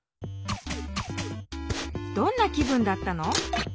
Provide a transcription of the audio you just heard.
どんな気分だったの？